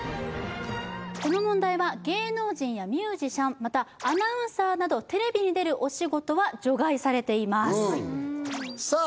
この問題は芸能人やミュージシャンまたアナウンサーなどテレビに出るお仕事は除外されていますさあ